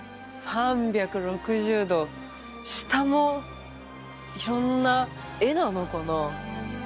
３６０度下も色んな絵なのかな？